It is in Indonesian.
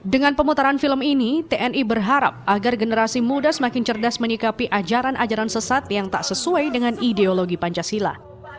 dengan pemutaran film ini tni berharap agar generasi muda semakin cerdas menyikapi ajaran ajaran sesat yang tak sesuai dengan ideologi pancasila